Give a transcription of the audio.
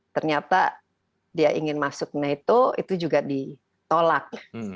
ternyata dia ingin masuk nato itu juga ditolak